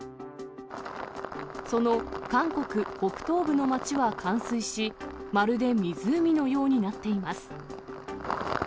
その韓国北東部の街は冠水し、まるで湖のようになっています。